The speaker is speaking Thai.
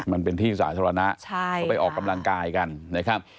มันเป็นที่สาธารณะเขาไปออกกำลังกายกันนะครับ